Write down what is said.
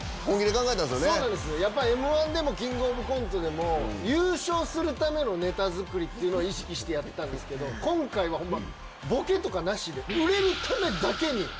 そうなんです、やっぱりＭー１でもキングオブコントでも、優勝するためのネタ作りっていうのを意識してやってたんですけど、今回はほんま、ボケとかなしで、売れるためだけに。